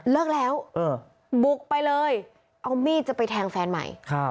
เลิกแล้วบุกไปเลยเอามีดจะไปแทงแฟนใหม่